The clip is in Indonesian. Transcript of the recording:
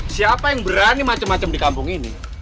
siapa yang berani macem macem di kampung ini